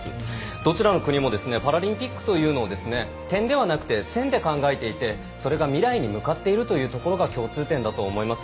どちらの国もですねパラリンピックというのはですね点ではなく線で考えていてそれが未来に向かっていることが共通点だと思います。